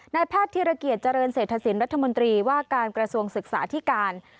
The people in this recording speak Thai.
ในแพทย์ที่ระเกียจเจริญเสถสินรัฐมนตรีว่าการกระทรวงศึกษาที่การ